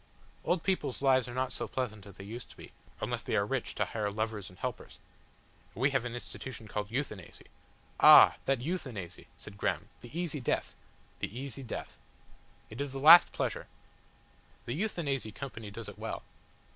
"Old people's lives are not so pleasant as they used to be, unless they are rich to hire lovers and helpers. And we have an institution called Euthanasy." "Ah! that Euthanasy!" said Graham. "The easy death?" "The easy death. It is the last pleasure. The Euthanasy Company does it well.